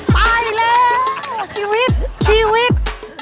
ไปแล้วชีวิตชีวิต